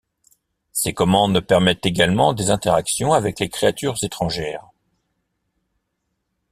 Ces commandes permettent également des interactions avec les créatures étrangères.